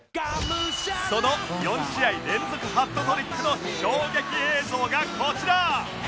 その４試合連続ハットトリックの衝撃映像がこちら！